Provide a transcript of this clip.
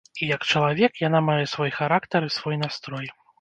І, як чалавек, яна мае свой характар і свой настрой.